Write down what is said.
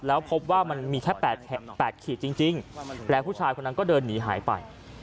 แล้วพบว่ามันมีแค่๘ขีดจริงแล้วผู้ชายคนนั้นก็เดินหนีหายไป